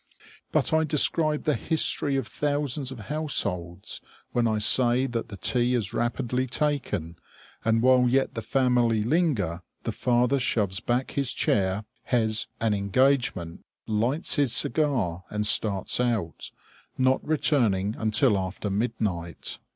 But I describe the history of thousands of households when I say that the tea is rapidly taken, and while yet the family linger the father shoves back his chair, has "an engagement," lights his cigar and starts out, not returning until after midnight.